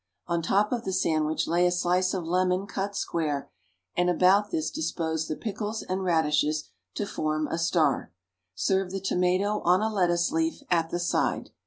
On top of the sandwich lay a slice of lemon cut square, and about this dispose the pickles and radishes, to form a star. Serve the tomato on a lettuce leaf at the side.